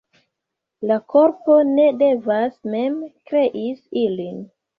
La korpo ne devas mem krei ilin.